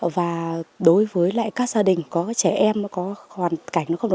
và đối với lại các gia đình có cái trẻ em có hoàn cảnh nó không được